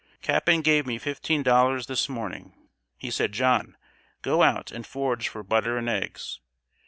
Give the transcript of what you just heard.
"Cap'n gave me fifteen dollars this morning. He said: 'John, go out and forage for butter and eggs.'